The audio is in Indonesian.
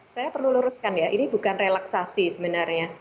saya perlu luruskan ya ini bukan relaksasi sebenarnya